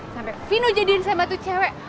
sampe vino jadiin sama tuh cewek